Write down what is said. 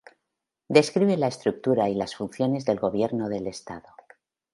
Describe la estructura y las funciones del gobierno del estado.